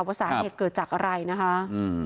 ว่าสาเหตุเกิดจากอะไรนะคะอืม